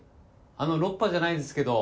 あのロッパじゃないんですけど。